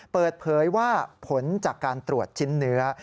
เปิดเผยว่าผลจากการตรวจชิ้นเนื้อ